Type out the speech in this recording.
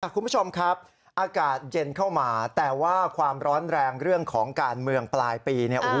คุณผู้ชมครับอากาศเย็นเข้ามาแต่ว่าความร้อนแรงเรื่องของการเมืองปลายปีเนี่ย